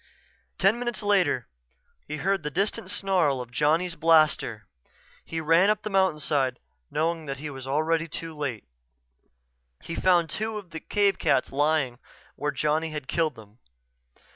Ten minutes later he heard the distant snarl of Johnny's blaster. He ran up the mountainside, knowing already that he was too late. He found two of the cave cats lying where Johnny had killed them.